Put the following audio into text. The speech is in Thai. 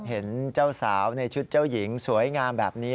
เห็นเจ้าสาวในชุดเจ้าหญิงสวยงามแบบนี้